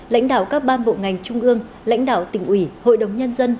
lãnh đạo các ban bộ ngành trung ương lãnh đạo tỉnh ủy hội đồng nhân dân